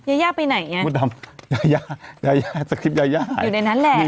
ยาย่าไปไหนอ่ะมดดำยายายาสคริปยาย่าอยู่ในนั้นแหละ